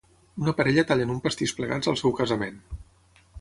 Una parella tallen un pastís plegats al seu casament.